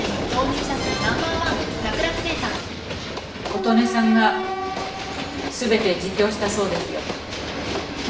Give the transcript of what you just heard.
琴音さんが全て自供したそうですよ。